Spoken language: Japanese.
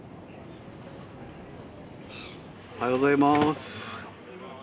おはようございます。